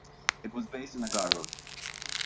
It was based in Agaro.